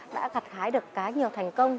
đã gặt hái được cá nhiều thành công